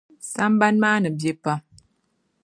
Sambani maa ni be pam.